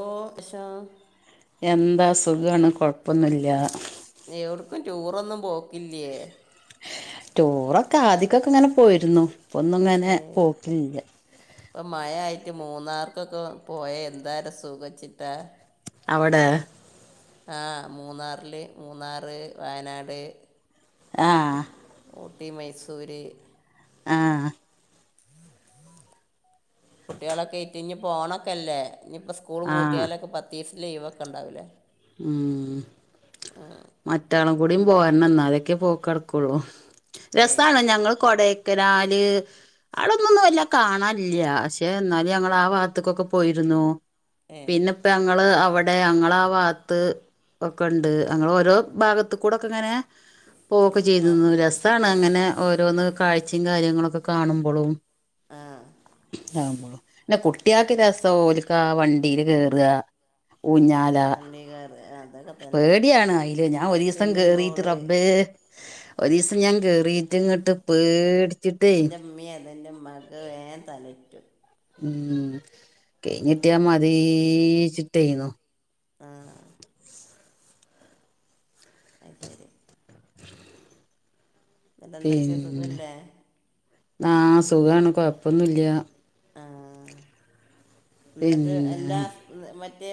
ഓ ശ എന്താ സുഖമാണ് കുഴപ്പൊന്നില്ല എവിടുക്കും ടൂറൊന്നും പോക്കില്ലേ ടൂറൊക്കെ ആദ്യിക്കൊക്കെ ഇങ്ങനെ പോയിരുന്നു ഇപ്പ ഒന്നും ഇങ്ങനെ പോക്കില്ല ഇപ്പം മഴമായിട്ട് മൂന്നാർക്കൊക്കെ പോയൽ എന്താരു സൂഖവെച്ചിട്ടാ അവിടെ ആഹ് മൂന്നാറില് മൂന്നാറ് വയനാട് ആഹ് ഊട്ടി മൈസൂര് ആഹ് കുട്ടികളൊയിട്ട് ഇനിപ്പൊ ഓണൊക്കെല്ലേ ഇനിയിപ്പ സ്- സ്കൂൾ ആഹ് പൂട്ടിയാലൊക്കെ പത്ത് ദീസം ലീവവൊക്കെ ഉണ്ടാവില്ലേ ഉം ആഹ് മറ്റാളും കൂടും പോകണംഎന്നാലെക്കെ പോക്ക് നടക്കുള്ളൂ ഏ രസമാണ് ഞങ്ങൾ കൊടക്കനാല് അവിടൊന്നൊന്നും വല്ല കാണാനില്ല പക്ഷെ എന്നാലും ഞങ്ങൾ ആഹ് ഭാഗത്തക്കൊക്കെ പോയിരുന്നു ഏ പിന്നെപ്പ ഞങ്ങള് അവിടെ ഞങ്ങളാ ഭാഗത്ത് ഒക്കെ ഉണ്ട് ഞങ്ങള് ഓരോ ഭാഗത്ത് കൂടെക്കെ ഇങ്ങനെ പോകൊക്കെ ആ ചെയ്തിരുന്നു രസമാണ് ഏ അങ്ങനെ ഓരോന്ന് കാഴ്ചയും കാര്യങ്ങളൊക്കെ കാണുമ്പോഴും ആ ആകുമ്പോഴും പിന്നെ കുട്ടിയക്ക് രസം ഓലക്ക് ആ വണ്ടിൽ കേറുക ഊഞ്ഞാൽ വണ്ടേകാർ. ആതാക പേടിയാണ് അയില് ഞാൻ ഒരീസം കേറിട്ട് പൂള് റബ്ബേ [unintelligible] ഒരീസം ഞാൻ കേറിട്ട് ഇങ്ങട്ട് പേടി എന്റെ ഉമ്മി അതെൻ്റെ ഉമ്മാക്ക് വേൻ തലറ്റു. ഉം കഴിഞ്ഞിട്ടിയാ മതീച്ചിട്ടേന്നു. ആഹ്. അത്ശരി. എന്നിട്ട് എന്തൊക്കെയാണ് പിന്നെ സുഖമല്ലേ ആ സുഖാണ് കുഴപ്പൊന്നുല്ല്യാ. ആഹ് എന്നിട്ട് പിന്നെ എല്ലാ മറ്റേ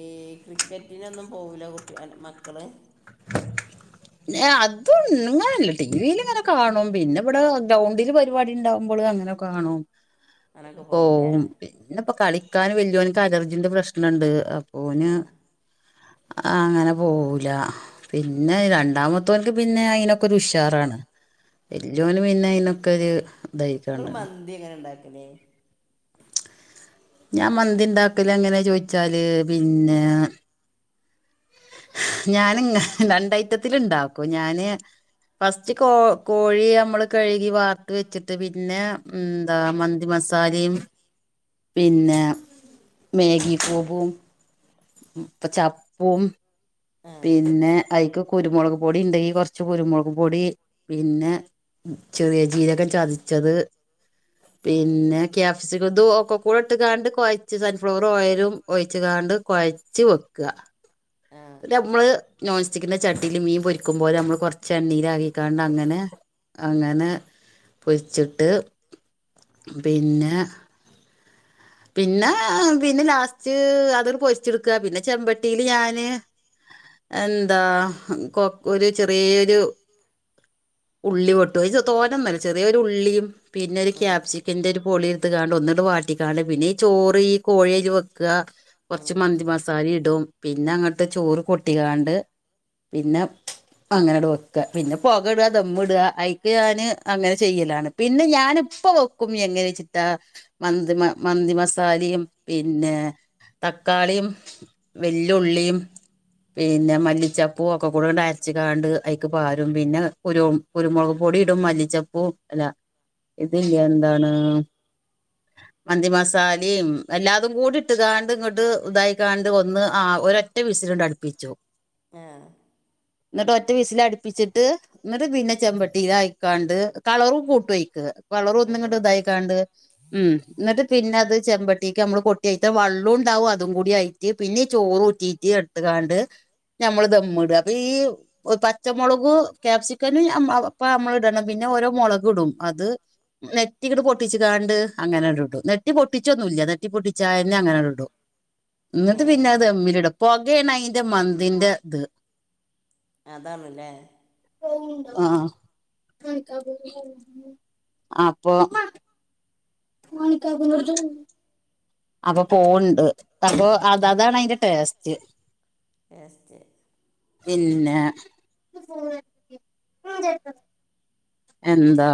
ഈ ക്രിക്കറ്റിനൊന്നും പോവൂല്ല കുട്ടി മക്കള്? ഏയ്‌ അതും ഇങ്ങനല്ല ടിവിൽ ഇങ്ങനെ കാണും പിന്നെ ഇവിടെ ഗ്രൗണ്ടില് പരിപാടി ഉണ്ടാവുമ്പോൾ അങ്ങനെ കാണും. അങ്ങനൊക്കെ പോവില്ലേ പോകും പിന്നെപ്പോ കളിക്കാൻ വല്ല്യോനിക്ക് അലർജിന്റെ പ്രശ്നണ്ട് അ ആ ഓന് അങ്ങനെ പോവൂല പിന്നെ ര ണ്ടാമത്തോൻക്ക് പിന്നെ അയിനൊക്കെ ഒരു ഉഷാറാണ് വല്യോന് പിന്നെ അയിനൊക്കെ ഒരു നിങ്ങള് ഇതായിക്കാണ്ടാണ് മന്തി എങ്ങനെ ഇണ്ടാക്കല്? ഞാൻ മന്തി ഇണ്ടാക്കല് എങ്ങനെ ചോയിച്ചാല് പിന്നെ ഞാന് ഇങ്ങ രണ്ട് ഐറ്റത്തിൽ ഇണ്ടാക്കും ഞാന് ഫസ്റ്റ് കോ കോഴി നമ്മള് കഴുകി വാർത്ത് വെച്ചിട്ട് പിന്നെ എന്താ മന്തി മസാലയും, പിന്നെ മാഗി ക്യൂബും, ഇപ്പ ചപ്പും ആ പിന്നെ, അയിക്ക് കുരുമുളക് പൊടി ഉണ്ടെങ്കി കൊറച്ച് കുരുമുളക് പൊടി, പിന്നെ ചെറിയ ജീരകം ചതച്ചത് ആ പിന്നെ കാപ്സിക്കം ഇതു ഒക്കെ കൂടെ ഇട്ടിക്കാണ്ട് കൊഴച്ച് സൺഫ്ലവർ ഓയിലും ഒഴച്ച് കാണ്ട് കൊഴ ച്ച് വക്കുക. ആ പിന്നെ നമ്മള് നോൺ സ്റ്റിക്കിന്റെ ചട്ടിയില് മീൻ പൊരിക്കുമ്പോലെ നമ്മള് കുറച്ച് എണ്ണീലാക്കിക്കാണ്ട് അങ്ങനെ അങ്ങനെ പൊരിച്ചിട്ട് പിന്നെ പിന്നെ പിന്നെ ലാസ്റ്റ് അതൊരു പൊരിച്ചെടുക്കുക പിന്നെ ചെമ്പട്ടില് ഞാന് എന്താ കൊ ഒരു ചെറിയൊരു ഉള്ളി പൊട്ടു ച് തോന്നോന്നല്ല ചെറിയൊരു ഉള്ളിയും പിന്നെ ഒരു ആ ഉം. ക്യാപ്സിക്കിന്റെ ഒരു പൊളി എടുത്തക്കാണ്ട് ഒന്നിട്ട് വാട്ടിക്കാണ്ട് പിന്നെ ഈ ചോറ് ഈ കോഴിയില് വെക്കുക, കുറച്ച് ഉം. മന്തി മസാല ഇടും പിന്നെ അങ്ങട്ട് ചോറ് കൊട്ടിങ്കാണ്ട് പിന്നെ അങ്ങനെട്‌ വെക്ക പിന്നെ പുക ഇടുക ദമ്മ് ഇടുക അയിക്ക് ഞാന് അങ്ങനെ ചെയ്യലാണ് പിന്നെ ഞാനിപ്പ വെക്കും എങ്ങനെച്ചിട്ടാ മന്തിമ മന്തിമസാലേം പിന്നെ തക്കാളീം, വെല്ലുള്ളിയും, പിന്നെ മല്ലിച്ചപ്പൂ ഒക്കക്കൂടെ അരച്ച് കാണ്ട് അയിക്ക് പാരും പിന്നെ കുരും കുരുമുളക് പൊടി ഇടും മല്ലിച്ചപ്പും അല ഇതില്ല എന്താണ് മന്തി മസാലേം എല്ലാ ഇതും കൂടി ഇട്ട് കാണ്ട് ഇങ്ങട്ട് ഇതായി കാണ്ട് ഒന്ന് ആ ഒരറ്റ വിസിലങ്ങടടിപ്പിച്ചു. ആ ന്നിട്ട് ഒറ്റ വിസല് അടുപ്പിച്ചിട്ട് ന്നിട്ട് പിന്നെ ചെമ്പട്ടിലായിക്കാണ്ട് കളറും കൂട്ടും അയ്ക്ക്. കളറൊന്നിങ്ങട്ട് അതുകള് ഇതായിക്കാണ്ട് ഉം ന്നിട്ട് പിന്നെ അത് ചെമ്പട്ടിക്ക് നമ്മള് കൊട്ടി അയ്ത്തെ വെള്ളുണ്ടാവും അതും കൂടി ആയിട്ട് പിന്നെ ചോറുറ്റീറ്റ് ട്ട് കാണ്ട് നമ്മള് ദമ്മ് ഇടാ അപ്പ ഈ പച്ചമുളക് ക്യാപ്സിക്കനു ഞ അപ്പ നമ്മൾ ഇടണം പിന്നെ ഓരോ മൊളക് ഇടും അത് നെറ്റിങ്ങട്ട് പൊട്ടിച്ച്ക്കാണ്ട് അങ്ങനിടും. നെട്ടി പൊട്ടിച്ചോന്നുല്ല നെട്ടി പൊട്ടി ചായന്നെ അങ്ങന ങ്ങണ്ട് ഇടും ഏ ന്നിട്ട് പിന്നെ അത് ദെമ്മില്ട പൊകേ ണ് അയിന്റെ മന്തിന്റെ ഇത് അതാണ്ലേ ആഹ് അപ്പൊ [inaudible] അപ്പൊ പോവ് ണ്ട് അപ്പൊ അതതാണ് അതിന്റെ ടേസ്റ്റ് ടേസ്റ്റ് പിന്നെ എന്താ?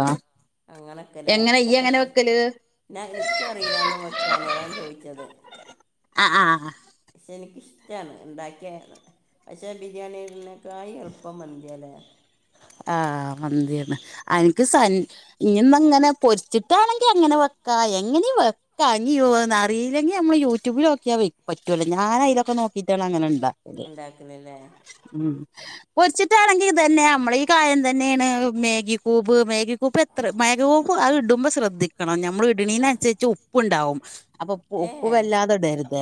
കലെ എങ്ങനെ ഇയ്യ് എങ്ങനെ വെക്കല് [unintelligible] എനിക്കറിയില്ലാന്നു വെക്കാന് അതാ ഞാൻ ചോദിച്ചത് ആഹ് ഹ ആ പക്ഷേ എനിക്കിഷ്ടാണ് ഉണ്ടാക്കിയന്ന് പക്ഷേ ബിരിയാണിരിനേക്കായി എളുപ്പം മന്തിയാലേ ആഹ് മന്തിയാണ് അനക്ക് സൻ ഇനിന്നങ്ങനെ പൊരിച്ചിട്ടാണെങ്കി അങ്ങനെ വെക്കാ എങ്ങനെ വെക്ക കഞ്ഞി വ് അറിയില്ലെങ്കി നമ്മള് യൂട്യൂബിലോക്കിയാ പറ്റുല്ലോ ഞാൻ അയിലൊക്കെ നോക്കീറ്റാണ് അങ്ങനെ ഇണ്ടാ ഉണ്ടാക്കലല്ലേ ഉ പൊരിച്ചിട്ടാണെങ്കിൽ ഇ തന്നെനമ്മളീ തന്നെയാണ് മേഗി കൂബ് മേഗി കൂബ് എത്ര മേഗി കൂബ് അത് ഇടു മ്പോൾ ശ്രദ്ധിക്കണം ഞ നമ്മള് ആ ഇട്ണീനനുസരിച്ച് ഉപ്പു ണ്ടാവും അപ്പൊ ഏ ഉപ്പ് വല്ലാതെ ഇടരുത്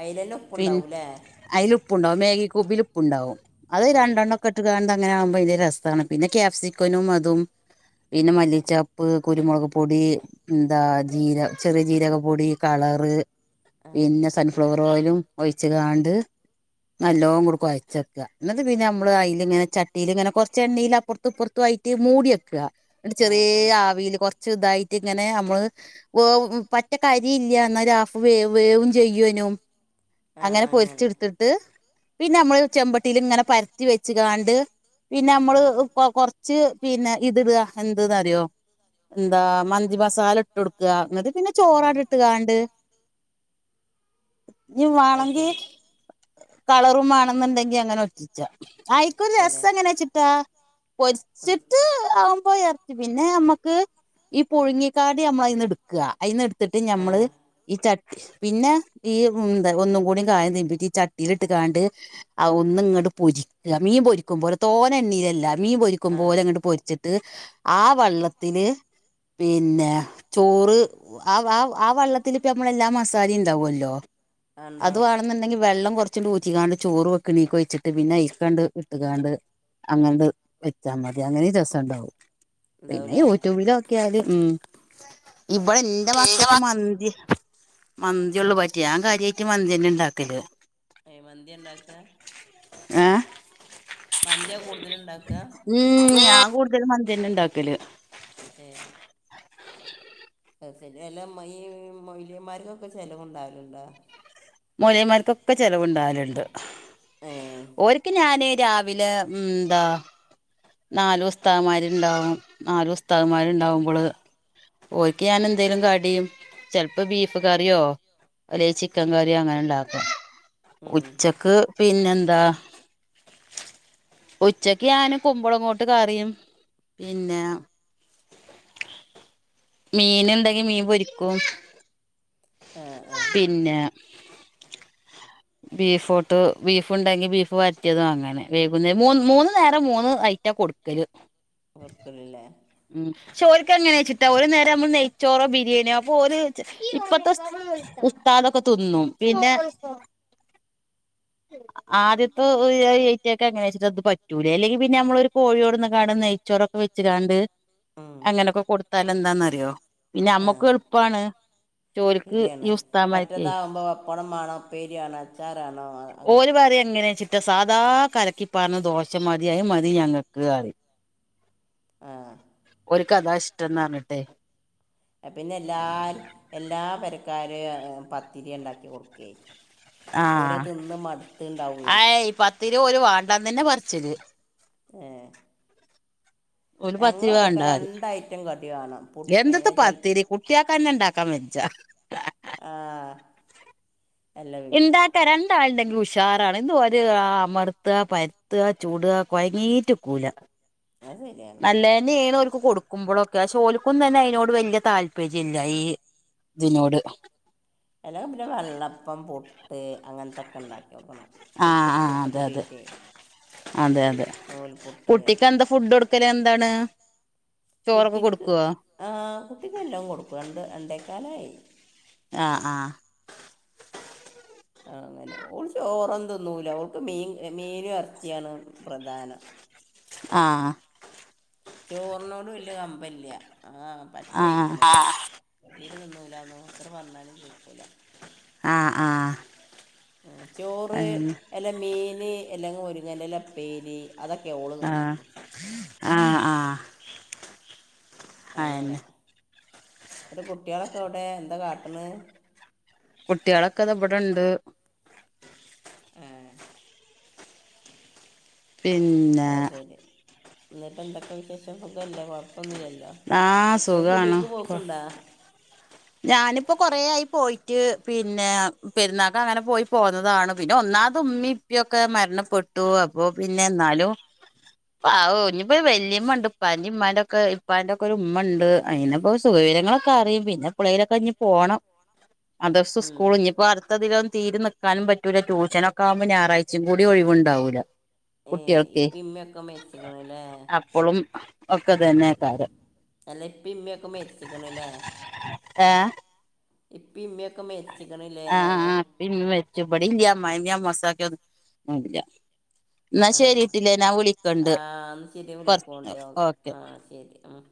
അയിലന്നെ പിൻ ഉപ്പ്ണ്ടാവുലെ അയില് ഉപ്പ്ണ്ടാവുംമേഗി കൂബില് ഉപ്പ്ണ്ടാവും അത് ആ രണ്ടണ്ണം കാണ്ട് അങ്ങനെ ആവുമ്പോ അയിന്റ രസാണ് പിന്നെ ക്യാഫ് സിക്കനും അതും പിന്നെ മല്ലിച്ചപ്പ് കുരുമുളക് പൊടി ന്താ ജീര ചെറിയ ജീരക പൊടി കളറ് ആ പിന്നെ സൺഫ്ലവർ ഓയലുംഒയിച്ച് കാണ്ട് നല്ലോങ്ങ ണ്ട് കൊയിച്ചക്ക ന്നിട്ട് പിന്നെ നമ്മള് അയിൽ ഇങ്ങനെ ചട്ടിൽ ഇങ്ങനെ കൊറച്ച് എണ്ണീ ല് അപ്പുറത്തുപ്പുറത്തു ആയിറ്റ് മൂടിയ് ക്ക ന്നിട്ട് ആ ആ ചെറീആവീല് കൊറച്ച് ഇതായിട്ട് ഇങ്ങനെ നമ്മള് വേവും പറ്റ കരി ഇല്ല ഇന്നാ ആഫ് വേ വേവും ചെയ്യേനും അങ്ങനെ പൊരിച്ച്ട്ത്ത്ട്ട് പിന്നെ നമ്മള് ചെമ്പട്ടില് ഇങ്ങനെ പരത്തി ച്ച് കാണ്ട് പിന്നെ ആ നമ്മള് കൊറച്ച് ഇത്ടാ എന്ത് ന്നറിയോ എന്താ മന്തിമസാല ഇട്ടൊട്ക ന്നിട്ട് പിന്നെ ആ ചോറണ്ട് ഇട്ട് കാ ണ്ട് ഇഞ്ഞ് അത് ശരി വാണെങ്കികളറും വാ ണെന്നുണ്ടെങ്കി അങ്ങനെ ഒറ്റിച്ച ആയിക്കും ഓക്കല്ലേ രസഎങ്ങനെ ച്ചിട്ടാ പൊരിച്ചിട്ട് ആവുമ്പോയർ പിന്നെ നമ്മക്ക് ഈ പുഴുങ്ങിക്കാടി നമ്മൾ അയിന്ന് എടുക്കുക അതിന്ന് എടുത്തിട്ട് ആ ഞമ്മള് ഈ ചട്ടി പിന്നെ ഈ ന്താ ഒന്നും കൂടിം കായം തീമ്പിട്ട് ചട്ടിൽ ഇട്ട് കണ്ട് ആ ഒന്ന് ഇങ്ങോട്ട് പൊരിക്ക ല്ല മീൻ പൊരിക്കും പോലെ തോന എണ്ണയിലല്ല മീ പൊരിക്കും ആ പോലെ അങ്ങോട്ട് പൊരിച്ചിട്ട് ആ വള്ളത്തില് പിന്നെ ചോറ് ആ ആ ആ വള്ളത്തിപ്പ നമ്മളെല്ലാം മസാല ഉണ്ടാവല്ലോ ആ അത് ഉണ്ടാവും വാണെന്നുണ്ടെങ്കിൽ വെള്ളം കുറച്ച ഊച്ചിക്കാണ്ട് ചോറ് വെക്കണീക്കൊഴച്ചിട്ട് പിന്നെ കണ്ട് വിട്ട കാണ്ട് അങ്ങണ്ട് വെച്ചാ മതി അങ്ങനെ രസം ഉണ്ടാവും പിന്നെ ഉണ്ടാവൂലേ യൂട്യൂബിലൊക്കിയാൽ ഉ ഇവടെ ഇന്റെ മക്കക്ക് മന്തി മന്തി ഉള്ളുപറ്റിയ ഞാൻ കാര്യമായിട്ട് മന്തി ന്നെ ഉണ്ടാക്കല് ഏ മന്ത്യ ണ്ടാക്ക ങ്ങാ മന്തി കൂടുതല് ഇണ്ടാക്കുക ഇവിടെ മന്തി തന്നെ ഉണ്ടാക്കല് ഏ [unintelligible] മൊയിലയമാർക്കൊക്കെ ചെലവ് ഉണ്ടാവലുണ്ടോ മൂല്ല്യമ്മാർക്കൊക്കെ ചെലവിണ്ടാകലിണ്ട് ഏ ഓരിക്ക് ഞാന് രാ വിലെ ഉം എന്താ നാലുസ്ത്താതുമ്മാരിണ്ടാകും നാലുസ്ത്താതുമ്മാരിണ്ടാകുമ്പള് ഓരിക്ക് ഞാൻ എന്തേലും കടിയും ചെലപ്പൊ ബീഫ് കറിയോ അല്ലെങ്കി ചിക്കൻ കറിയൊ അങ്ങനെ ഇണ്ടാക്കും. ഉം. ഉച്ചക്ക് പിന്നെന്താ ഉച്ചക്ക് ഞാനും കുമ്പളങ്ങോട്ട് കറിയും പിന്നാ മീനിണ്ടെങ്കി മീൻ പൊരിക്കും ആ ആ പിന്നാ ബീഫോട്ട് ബീഫ് ഇണ്ടെങ്കി ബീഫ് വരട്ടിയതും അങ്ങനെ വേകുന്നേ മൂ മൂന്ന് നേരം മൂന്ന് ഐറ്റം കൊടു ക്കല് ഓർക്കലില്ലേ ഉം ചോലിക്ക് എങ്ങനെയാച്ചിട്ടാ ഒരു നേരം നമ്മള് നെയ്ച്ചോറോ ബിരിയാണിയോ അപ്പൊ ഓൽ ഇപ്പത്തെ ഉസ്താദൊക്കെ തിന്നും പിന്നെ ആദ്യത്തെ [unintelligible] ഏറ്റൊക്കെ അങ്ങനെ വെച്ചിട്ട് അത് പറ്റൂലേ അല്ലെങ്കി പിന്നെ നമ്മളൊരു കോഴിയോടന്ന കാണുന്നെ ചൊറൊക്ക വെച്ചികാണ്ട് ഉം. അങ്ങനൊക്കെ കൊടുത്താല് എന്താന്നറിയോ പിന്നെ ആ അമ്മക്കും എളുപ്പാണ് ജോലിക്ക് ശരിയാണ് ഈ ഉസ്താമാർക്കേ മറ്റേതാവുമ്പോ പപ്പടം വേണം ഉപ്പേരിവേണം അച്ചാറേണം ഓല് പറിയ എങ്ങനേച്ചിട്ടാ സാധാ കലക്കി പാറ്ന്ന ദോശ മതി അത് മതി ഞങ്ങക്ക് പറയും ആ ഓരിക്കതാ ഇഷ്ടംന്ന് പറഞ്ഞിട്ടെ പിന്നെ എല്ലാരും എല്ലാ പെരക്കാരും പത്തിരി എണ്ടാക്കി കൊടുക്കേയി ആഹ് പ്പോരത് തിന്ന് മടുത്തിണ്ടാവുവേ ത്തിരി ഓല് വേണ്ടാന്ന് തന്നെ പറച്ചില് ഏഹ് ഓല് ഞങ്ങളവിടൊക്കെ രണ്ടഐറ്റം കടിവേണം എന്തിട്ട പത്തിരി കുട്ടിയാക്കന്നെ ഇണ്ടാക്കാൻ വെജ്ജാ ആഹ് ഇണ്ടാ‌ ത്തരണ്ടാളിണ്ടെങ്കി ഉഷാറാണ് ഇന്ന് ഒര് അമർത്താ പരത്താ ചുടുക കൊയങ്ങീറ്റ്ക്കൂല അത് ശരിയാണ് നല്ലേന്നേണ് ഓൽക്ക് കൊടു ക്കുമ്പളൊക്കെ പക്ഷേ ഓൽക്കൊന്നും തന്നെ അതിനോട് വല്യ താല്പര്യം ഇല്ല ഈ ഇതിനോട് അല്ല പിന്നെ വെള്ളപ്പം പുട്ട് അങ്ങനത്തൊക്കെ എണ്ടാക്കി നോക്കണം ആ പുട്ടിന് ആ പുട്ട് അതെ അതെ പൊടീട്ടേ അതെ അതെ നൂൽ പുട്ട് കുട്ടിക്ക് എന്താ ഫുഡ് കൊടുക്കല് എന്താണ്? ചോറൊക്കെ കുട്ടിക്ക് കൊടുക്കുവോ ആഹ് കുട്ടിക്കെല്ലാം കൊടുക്കും രണ്ട് രണ്ടേക്കാലായി ആഹ് ആഹ് അങ്ങനെ ഓള് ചോറൊന്നും തിന്നൂല്ല ഓള്ക്ക് മീൻ മീനും ഇറച്ചിയാണ് പ്രധാനം ആഹ് ചോറിനോട് വല്യ കമ്പല്ല ആഹ് ആ പറ്റയ്‌ക്കണ് ആഹ് തീരെ തിന്നൂല്ലാന്നോ എത്ര പറഞ്ഞാലും കേക്കൂല്ല ആഹ് ആഹ് ഉം ചോറ് എല്ലാം മീന് എല്ലാം മുരിങ്ങണ്ടില അപ്പേരി അതൊക്കെ ഓള് തിന്നോള്ളൂ ആഹ് ആഹ് ആയിമ്മേ എന്നട്ട് കുട്ടികളൊക്കെ എവിടേ എന്താ കാട്ടണ്? കുട്ടികളക്കത ഇവിടെണ്ട് ഏ പി അ ശരി. എന്നിട്ട് എന്തൊക്കെ വിശേഷം, സുഖല്ലേ? ഒന്നില്ലല്ലോ. ആഹ് നിങ്ങള് സുഖാണ് കൂട്ടേക്ക് കൊ പോക്ക്ണ്ടാ? ഞാനിപ്പോ കൊറേ ആയി പോയിട്ട്. പിന്നെ, പെരുന്നാക്കങ്ങനെ പോയി പോന്നതാണ്. പിന്നെ ഒന്നാമത് ഉമ്മി ഉപ്യോക്കെ മരണപ്പെട്ടു. അ ഓ പിന്നെ ന്നാലും, അഹു ഇനിയിപ്പോ വലയമ്മ ണ്ട്. [unintelligible] ഇപ്പാന്റെ ഒക്കെ ഒരു ഉമ്മ ണ്ട്. അയിനിപ്പോ സുഖവിരങ്ങളൊക്കെറിയും. പിന്നെ എപ്പളെങ്കിലൊക്കെ ഞ് പോണം. [unintelligible] ഉം സ്കൂൾ ഇഞ്ഞപ്പ അട കധികം തീരെ നിൽക്കാനും പറ്റൂല. ടൂഷനൊക്കെ ആകുമ്പോ ഞായറാഴ്ചേ കൂടി ഒഴിവുണ്ടാവൂല്ല. ഏഹ് ഇപ്പി മ്മി ക്കെ മരീച്ചിക്കണല്ലേ. പ്പൊളും ഒക്കെ തന്നെ കാരം. അല്ലെ ഇപ്പി ഇമ്മി ഒക്കെ മരിച്ചക്കണല്ലേ. ഏഹ്. ഇപ്പ ഇമ്മി യൊക്കെ മരിച്ചക്കണുല്ലേ എന്ന പറയാ. പ്പി മ്മി മരിച്ചു. ഇബാടില്ല അമ്മായിമ്മീം അമ്മോസാക്കയൊന്നും ഇല്ല. ന്നാ ആ ശരിട്ടില്ലേ. ഞാൻ വിളിക്കണ്ട്. ആ എന്നാൽ ശരി വിളിക്കോണ്ട് കൊറ്ച് ഓ ഓക്കെ. ആ ശരി ഉം